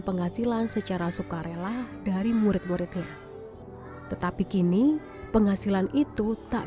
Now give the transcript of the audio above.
nazila selalu mengalami penyakit tersebut